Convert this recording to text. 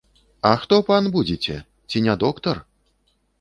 А хто, пан, будзеце, ці не доктар?